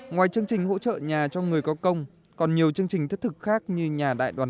ngoài chương trình hỗ trợ nhà cho người có công còn nhiều chương trình thiết thực khác như nhà đại đoàn kết nhà tình thương